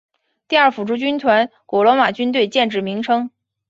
第二辅助军团古罗马军队建制名称。